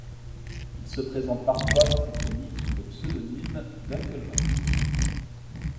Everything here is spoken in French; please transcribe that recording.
Il se présente parfois dans ses chroniques sous le pseudonyme d'Uncle Obs.